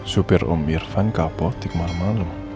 supir om irfan kapo tikmar malum